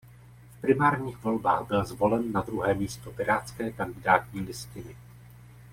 V primárních volbách byl zvolen na druhé místo pirátské kandidátní listiny.